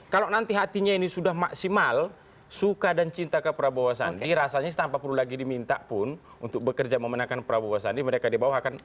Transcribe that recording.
kalau nanti hatinya ini sudah maksimal suka dan cinta ke prabowo sandi rasanya tanpa perlu lagi diminta pun untuk bekerja memenangkan prabowo sandi mereka di bawah akan